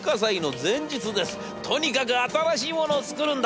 『とにかく新しいものを作るんだ』。